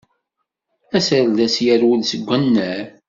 Aserdas yerwel seg wannar.